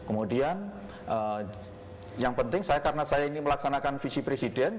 kemudian yang penting saya karena saya ini melaksanakan visi presiden